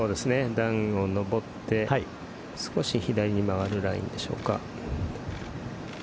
段を登って少し左に曲がるラインでしょうか。